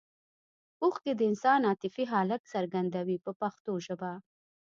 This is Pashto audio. اوښکې د انسان عاطفي حالت څرګندوي په پښتو ژبه.